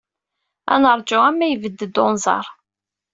Ad neṛju arma yebded unẓar.